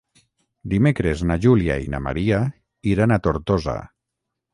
Dimecres na Júlia i na Maria iran a Tortosa.